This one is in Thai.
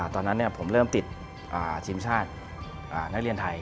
ตอนนั้นผมเริ่มติดทีมชาตินักเรียนไทย